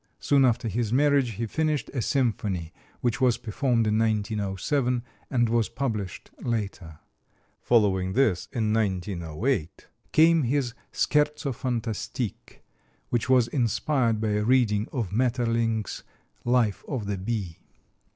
Soon after his marriage he finished a symphony which was performed in 1907 and was published later. Following this, in 1908, came his "Scherzo Fantastique," which was inspired by a reading of Maeterlinck's "Life of the Bee."